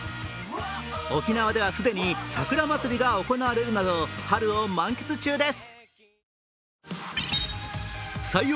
沖縄では、既に桜まつりが行われるなど、春を満喫中です。